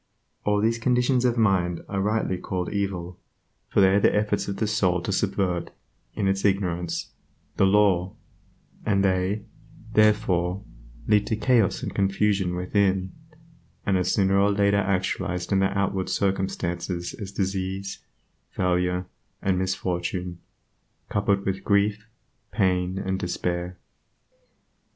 All these conditions of mind are rightly called "evil," for they are the efforts of the soul to subvert, in its ignorance, the law, an they, therefore, lead to chaos and confusion within, and are sooner or later actualized in the outward circumstances as disease, failure, and misfortune, coupled with grief, pain, and despair.